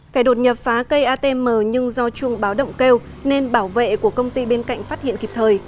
cải đột nhập phá cây atm nhưng do chuông báo động kêu nên bảo vệ của công ty bên cạnh phát hiện kịp thời